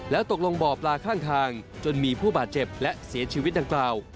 แล้วตกลงบ่อปลาข้างทางจนมีผู้บาดเจ็บและเสียชีวิตดังกล่าว